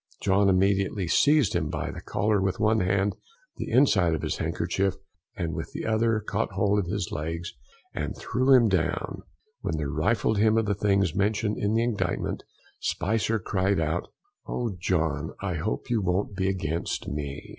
Austin immediately seized him by the collar with one hand the inside of his handkerchief, and with the other caught hold of his legs, and threw him down, when they rifled him of the things mentioned in the indictment, Spicer crying out, "O John, I hope you won't be against me."